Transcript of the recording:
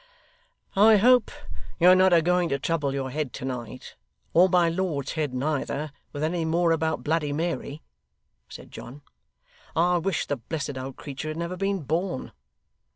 'I hope you're not a going to trouble your head to night, or my lord's head neither, with anything more about Bloody Mary,' said John. 'I wish the blessed old creetur had never been born.